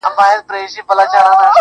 هغه به دروند ساتي چي څوک یې په عزت کوي,